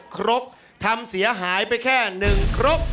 ครกทำเสียหายไปแค่๑ครก